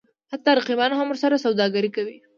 حتی رقیبان هم ورسره سوداګري کوي.